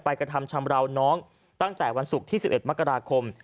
กระทำชำราวน้องตั้งแต่วันศุกร์ที่๑๑มกราคม